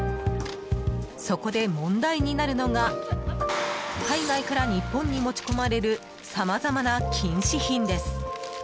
そこで問題になるのが海外から日本に持ち込まれるさまざまな禁止品です。